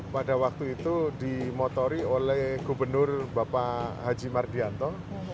pada waktu itu dimotori oleh gubernur bapak haji mardianto